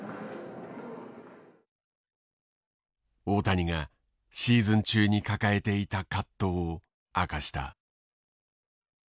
大谷がシーズン中に抱えていた葛藤を明かした。